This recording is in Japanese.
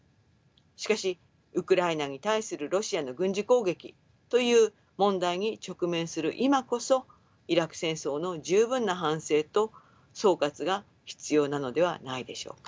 しかしウクライナに対するロシアの軍事攻撃という問題に直面する今こそイラク戦争の十分な反省と総括が必要なのではないでしょうか。